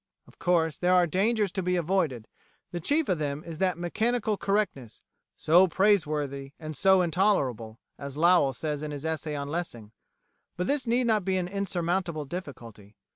Of course there are dangers to be avoided, and the chief of them is that mechanical correctness, "so praiseworthy and so intolerable," as Lowell says in his essay on Lessing. But this need not be an insurmountable difficulty.